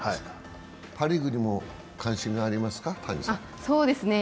パ・リーグにも関心がありますか？